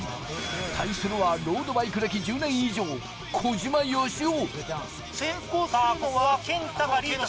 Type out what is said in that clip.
対するはロードバイク歴１０年以上、小島よしお。